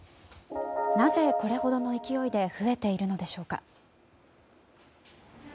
なぜこれほどの勢いで増えているのでしょうか。